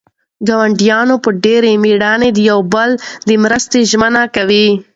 ګاونډیانو په ډېرې مېړانې د یو بل د مرستې ژمنه وکړه.